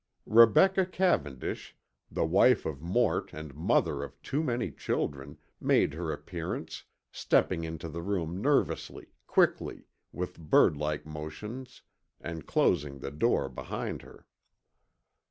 Rebecca Cavendish, the wife of Mort and mother of too many children, made her appearance, stepping into the room nervously, quickly, with birdlike motions, and closing the door behind her.